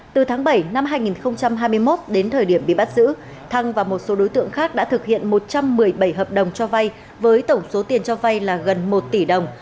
từ tháng bảy năm hai nghìn hai mươi một đến thời điểm bị bắt giữ thăng và một số đối tượng khác đã thực hiện một trăm một mươi bảy hợp đồng cho vay với tổng số tiền cho vay là gần một tỷ đồng